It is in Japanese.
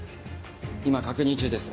今確認中です。